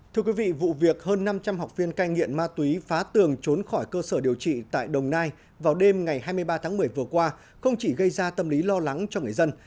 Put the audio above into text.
thưa quý vị vụ việc hơn năm trăm linh học viên cai nghiện ma túy phá tường trốn khỏi cơ sở điều trị tại đồng nai vào đêm ngày hai mươi ba tháng một mươi vừa qua không chỉ gây ra tâm lý lo lắng cho người dân